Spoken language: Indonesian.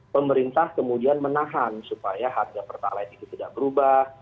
pemerintah kemudian menahan supaya harga pertalite itu tidak berubah